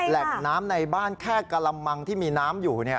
แหล่งน้ำในบ้านแค่กระมังที่มีน้ำอยู่